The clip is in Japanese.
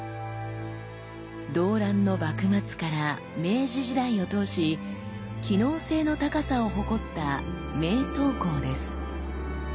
動乱の幕末から明治時代を通し機能性の高さを誇った名刀工です。